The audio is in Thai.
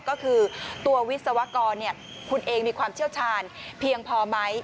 ก็คือตัววิศวกรคุณเองมีความเชี่ยวชาญเพียงพอไหม